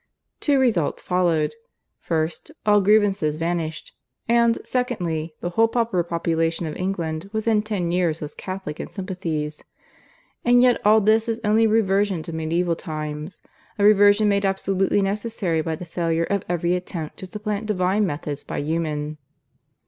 Two results followed first, all grievances vanished; and secondly, the whole pauper population of England within ten years was Catholic in sympathies. And yet all this is only a reversion to medieval times a reversion made absolutely necessary by the failure of every attempt to supplant Divine methods by human.